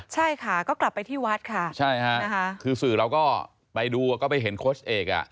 ใช่ค่ะก็กลับไปที่วัดค่ะใช่ค่ะนะคะคือสื่อเราก็ไปดูก็ไปเห็นโค้ชเอกอ่ะ